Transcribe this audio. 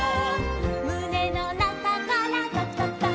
「むねのなかからとくとくとく」